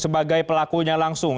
sebagai pelakunya langsung